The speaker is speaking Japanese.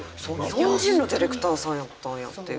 日本人のディレクターさんやったんやっていう。